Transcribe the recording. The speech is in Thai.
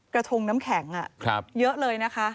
กระทงน้ำแข็งเยอะเลยนะคะ